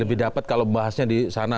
lebih dapat kalau membahasnya di sana